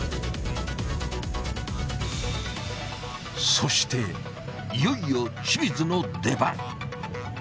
そしていよいよ清水の出番。